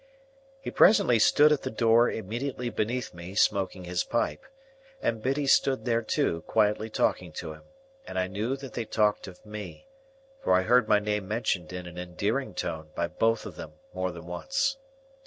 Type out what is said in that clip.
He presently stood at the door immediately beneath me, smoking his pipe, and Biddy stood there too, quietly talking to him, and I knew that they talked of me, for I heard my name mentioned in an endearing tone by both of them more than once.